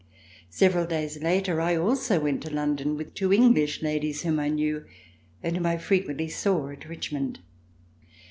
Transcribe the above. Several days later, I also went to London with two English ladies whom I knew and whom I frequently saw at Richmond.